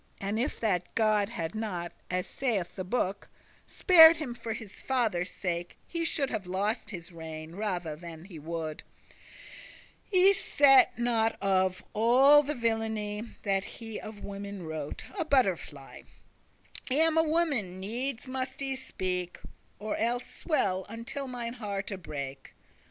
*the true And if that God had not (as saith the book) Spared him for his father's sake, he should Have lost his regne* rather than he would. *kingdom sooner I *sette not of* all the villainy *value not* That he of women wrote, a butterfly. I am a woman, needes must I speak, Or elles swell until mine hearte break.